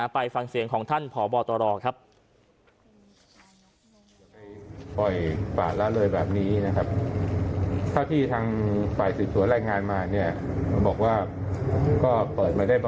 ไปฟังเสียงของท่านพบตรครับ